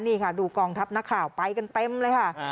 นี่ค่ะดูกองทัพนักข่าวไปกันเต็มเลยค่ะ